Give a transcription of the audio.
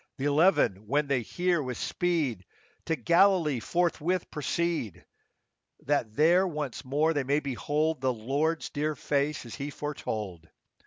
Th' eleven, when they hear, with speed To Galilee forthwith proceed, That there once more they may behold The Lord's dear face as He foretold.